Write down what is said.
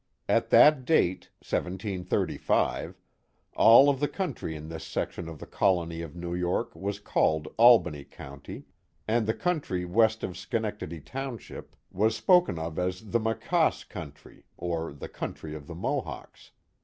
At that date (1735). all of the country in this section of the colony of New York was called Albany County, and the country west of Schenectady township was spoken of as the Maquaase country, or the country of the Mohawks.